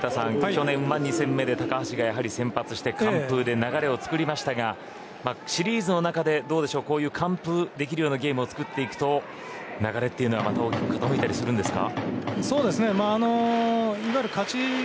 去年は２戦目で高橋がやはり先発して完封で流れをつくりましたがシリーズの中でこういう完封できるようなゲームをつくっていくと流れというのは大きく伸びたりするんですか。